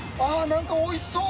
何かおいしそう。